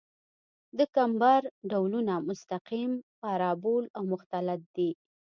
د کمبر ډولونه مستقیم، پارابول او مختلط دي